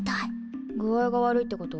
具合が悪いってこと？